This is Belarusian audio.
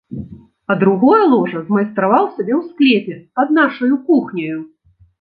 А другое ложа змайстраваў сабе ў склепе пад нашаю кухняю.